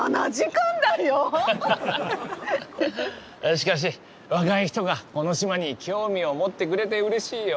しかし若い人がこの島に興味を持ってくれてうれしいよ。